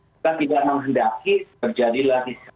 kita tidak menghendaki terjadi lagi